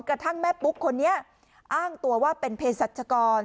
กระทั่งแม่ปุ๊กคนนี้อ้างตัวว่าเป็นเพศรัชกร